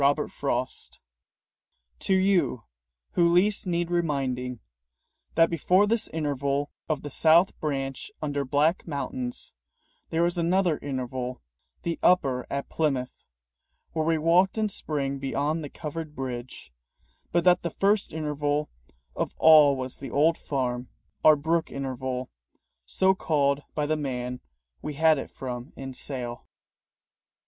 J. TO YOU WHO LEAST NEED REMINDING that before this interval of the South Branch under black mountains, there was another interval, the Upper at Plymouth, where we walked in spring beyond the covered bridge; but that the first interval of all was the old farm, our brook interval, so called by the man we had it from in sale.